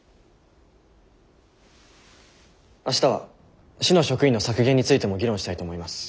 明日は市の職員の削減についても議論したいと思います。